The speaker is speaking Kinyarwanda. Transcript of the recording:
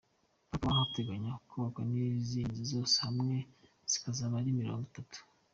Hakaba hateganywa kubakwa n’izindi nzu, zose hamwe zikazaba ari mirongo itatu.